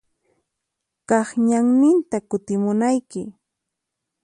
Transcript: Kaq ñanninta kutimunayki.